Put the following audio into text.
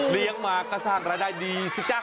เลี้ยงมาก็สร้างรายได้ดีสุดจักร